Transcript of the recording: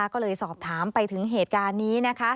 ก็เลยสอบถามไปถึงเหตุการณ์นี้